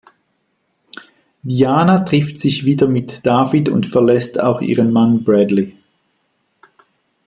Diana trifft sich wieder mit David und verlässt auch ihren Mann Bradley.